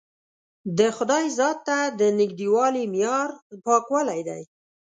د خدای ذات ته د نژدېوالي معیار پاکوالی دی.